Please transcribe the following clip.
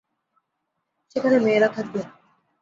সেখানে মেয়েরা থাকবে।